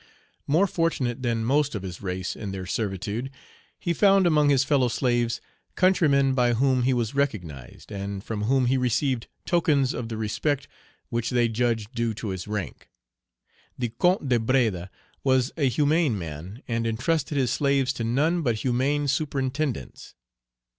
More fortunate than most of his race in their servitude, he found among his fellow slaves countrymen by whom he was recognized, and from whom he received tokens of the respect which they judged due to his rank. The Count de Breda was a humane man, and intrusted his slaves to none but humane superintendents.